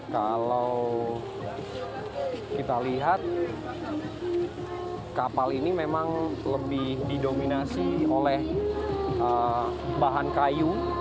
kalau kita lihat kapal ini memang lebih didominasi oleh bahan kayu